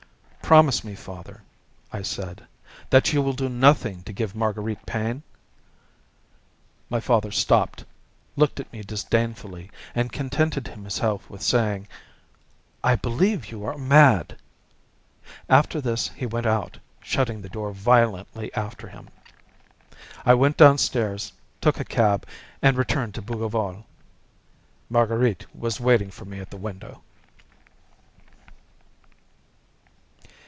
"Promise me, father," I said, "that you will do nothing to give Marguerite pain?" My father stopped, looked at me disdainfully, and contented himself with saying, "I believe you are mad." After this he went out, shutting the door violently after him. I went downstairs, took a cab, and returned to Bougival. Marguerite was waiting for me at the window.